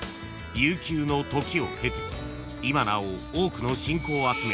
悠久の時を経て今なお多くの信仰を集め］